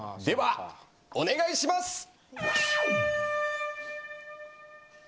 ではお願いします！